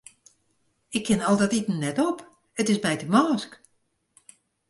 Ik kin al dat iten net op, it is my te mânsk.